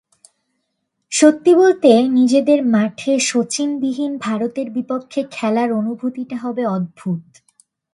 সত্যি বলতে, নিজেদের মাঠে শচীনবিহীন ভারতের বিপক্ষে খেলার অনুভূতিটা হবে অদ্ভুত।